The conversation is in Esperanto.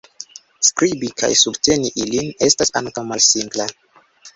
Skribi kaj subteni ilin estas ankaŭ malsimpla.